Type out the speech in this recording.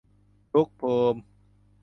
ทุกภูมิ